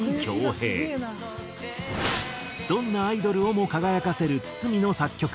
どんなアイドルをも輝かせる筒美の作曲。